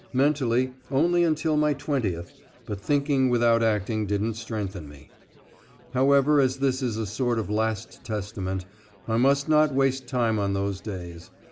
Mentally, only until my twentieth, but thinking without acting didn't strengthen me. However as this is a sort of last testament I must not waste time on those days.